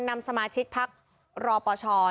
นำสมาชิกพักรอปช